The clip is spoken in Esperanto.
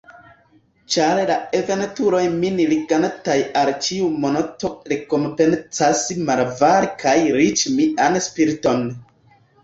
Ĉar la aventuroj min ligantaj al ĉiu monto rekompencas malavare kaj riĉe mian spiriton.